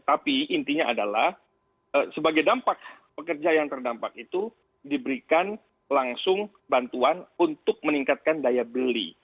tapi intinya adalah sebagai dampak pekerja yang terdampak itu diberikan langsung bantuan untuk meningkatkan daya beli